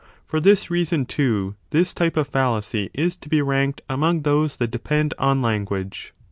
For this reason, too, this type of fallacy is to be ranked among those that depend on language ; in 1 169*18.